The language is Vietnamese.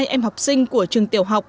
em học sinh của trường tiểu học